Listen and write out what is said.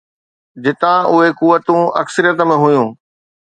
جتان اهي قوتون اڪثريت ۾ هيون.